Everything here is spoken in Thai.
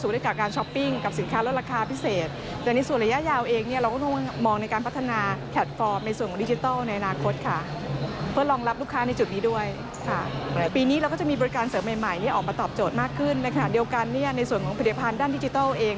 เดียวกันในส่วนของผลิตภัณฑ์ด้านดิจิทัลเอง